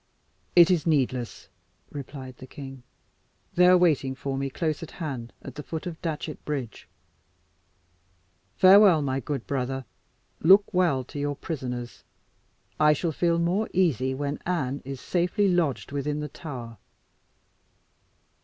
"It is needless," replied the king. "They are waiting for me, close at hand, at the foot of Datchet Bridge. Fare well, my good brother; look well to your prisoners. I shall feel more easy when Anne is safely lodged within the Tower."